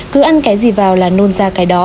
cứ ăn cái gì vào là nôn ra cái đó